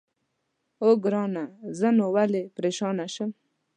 اوه، ګرانه زه نو ولې پرېشانه شم؟